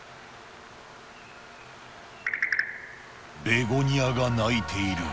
ベゴニアが鳴いている。